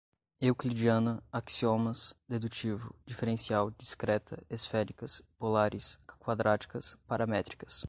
euclidiana, axiomas, dedutivo, diferencial, discreta, esféricas, polares, quadráticas, paramétricas